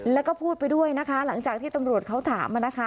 แล้วก็พูดไปด้วยนะคะหลังจากที่ตำรวจเขาถามนะคะ